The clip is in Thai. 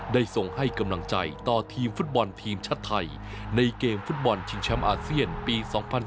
ส่งให้กำลังใจต่อทีมฟุตบอลทีมชาติไทยในเกมฟุตบอลชิงแชมป์อาเซียนปี๒๐๑๖